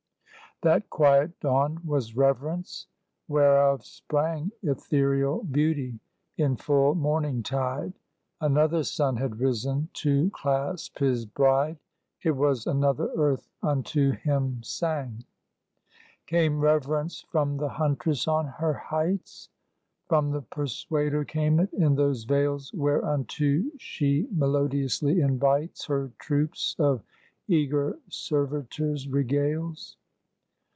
That quiet dawn was Reverence; whereof sprang Ethereal Beauty in full morningtide. Another sun had risen to clasp his bride: It was another earth unto him sang. Came Reverence from the Huntress on her heights? From the Persuader came it, in those vales Whereunto she melodiously invites, Her troops of eager servitors regales?